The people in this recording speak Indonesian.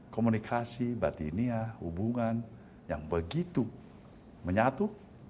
komunikasi batiniah hubungan yang begitu menyatu